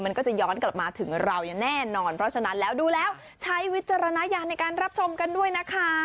มันก็จะย้อนกลับมาถึงเรายังแน่นอน